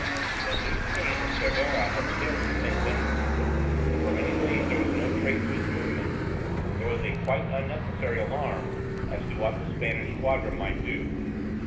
When news came that Cervera had sailed from St. Vincent, and for many days there was no trace of his movements, there was a quite unnecessary alarm as to what the Spanish squadron might do.